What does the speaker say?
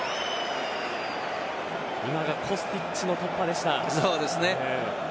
今はコスティッチの突破でした。